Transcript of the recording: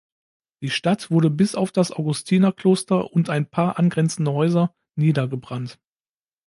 Die Stadt wurde bis auf das Augustinerkloster und ein paar angrenzende Häuser niedergebrannt.